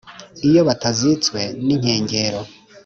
Iyo batazitswe ninkengero,